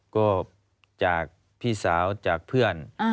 ก็จากพี่สาวจากเพื่อน